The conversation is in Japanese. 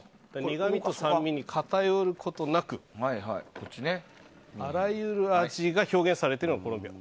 苦味と酸味に偏ることなくあらゆる味が表現されているのがコロンビア。